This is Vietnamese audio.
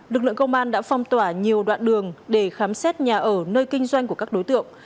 lực lượng công an đã phong tỏa nhiều đoạn đường để khám xét nhà ở nơi kinh doanh của các đối tượng